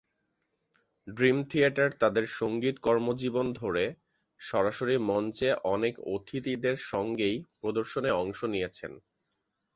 Dream Theater তাদের সঙ্গীত কর্মজীবন ধরে, সরাসরি মঞ্চে অনেক অতিথিদের সঙ্গেই প্রদর্শনে অংশ নিয়েছেন।